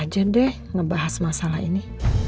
nih aja deh ngebahas masalah ini